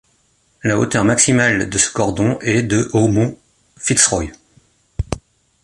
La hauteur maximale de ce cordon est de au mont Fitz Roy.